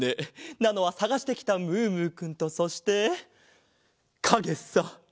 なのはさがしてきたムームーくんとそしてかげさ。